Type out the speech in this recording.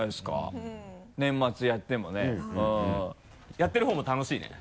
やってるほうも楽しいね。